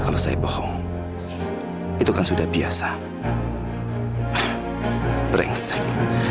saya iluhernakan yang pasti berhasil